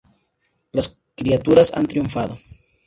Las criaturas han triunfado.